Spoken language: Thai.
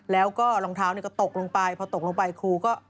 แล้วก็รองเท้าก็ตกลงไปพอตกลงไปครูก็